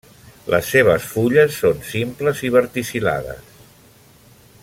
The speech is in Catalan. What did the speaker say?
Les seves fulles són simples i verticil·lades.